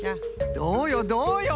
どうよどうよ？